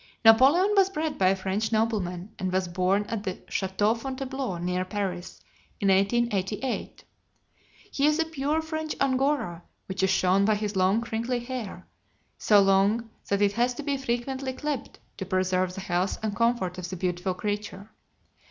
Napoleon was bred by a French nobleman, and was born at the Chateau Fontainebleau, near Paris, in 1888. He is a pure French Angora, which is shown by his long crinkly hair so long that it has to be frequently clipped to preserve the health and comfort of the beautiful creature.